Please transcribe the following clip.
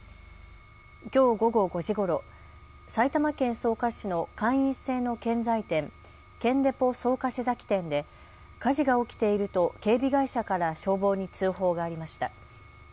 きょう午後５時ごろ埼玉県草加市の会員制の建材店、建デポ草加瀬崎店で火事が起きていると警備会社から消防に通報がありました。